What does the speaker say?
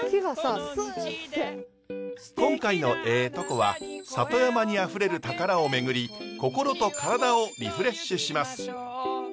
今回の「えぇトコ」は里山にあふれる宝を巡り心と体をリフレッシュします。